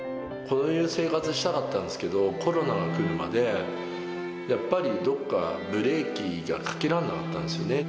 こういう生活したかったんですけど、コロナが来るまで、やっぱり、どっか、ブレーキがかけらんなかったんですね。